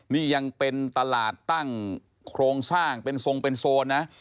นี่ยังเป็นตลาดตั้งโครงสร้างเป็นทรงเป็นโซนนะ